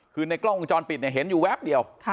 คือในกล้องวงจรปิดเห็นอยู่แวบเดียว